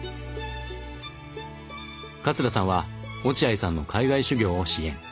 桂さんは落合さんの海外修業を支援。